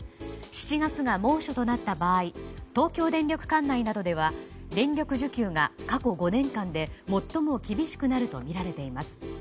７月が猛暑となった場合東京電力管内などでは電力需給が過去５年間で最も厳しくなるとみられています。